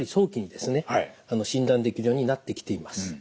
診断できるようになってきています。